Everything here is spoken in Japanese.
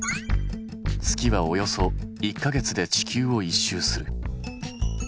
月はおよそ１か月で地球を１周する。